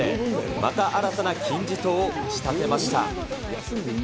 また新たな金字塔を打ち立てました。